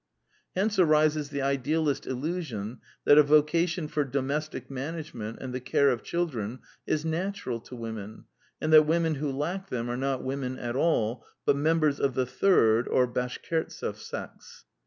Hence arises the idealist illusion that a vocation for domestic man agement and the care of children is natural to women, and that women who lack them are not women at all, but members of the third, or Bash kirtseff sex.